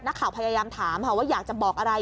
นักข่าวพยายามถามว่าอยากจะบอกอะไร